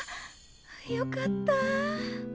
よかった。